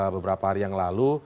beberapa hari yang lalu